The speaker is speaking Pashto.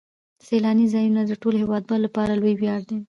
سیلاني ځایونه د ټولو هیوادوالو لپاره لوی ویاړ دی.